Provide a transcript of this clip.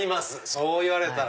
そう言われたら。